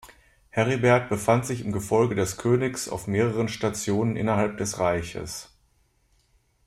Heribert befand sich im Gefolge des Königs auf mehreren Stationen innerhalb des Reiches.